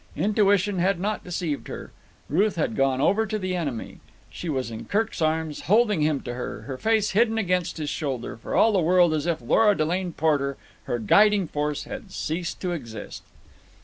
Intuition had not deceived her. Ruth had gone over to the enemy. She was in Kirk's arms, holding him to her, her face hidden against his shoulder, for all the world as if Lora Delane Porter, her guiding force, had ceased to exist.